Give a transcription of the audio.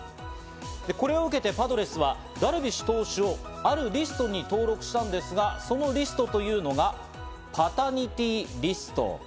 これを受けてパドレスはダルビッシュ投手をあるリストに登録したんですが、そのリストというのが、パタニティー・リスト。